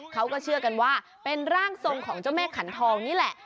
เขาก็เชื่อกันว่าเป็นร่างทรงของเจ้าแม่ขันทองนี่แหละ